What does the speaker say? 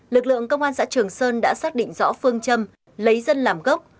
lực lượng công an xã trường sơn đã xác định rõ phương châm lấy dân làm gốc